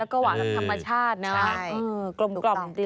แล้วก็หวานทำธรรมชาตินะ